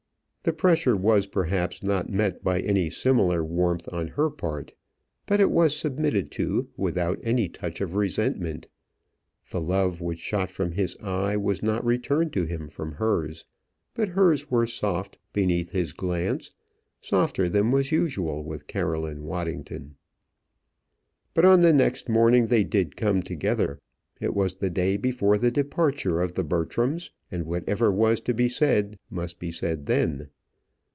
The pressure was perhaps not met by any similar warmth on her part, but it was submitted to without any touch of resentment: the love which shot from his eye was not returned to him from hers, but hers were soft beneath his glance, softer than was usual with Caroline Waddington. But on the next morning they did come together. It was the day before the departure of the Bertrams, and whatever was to be said must be said then.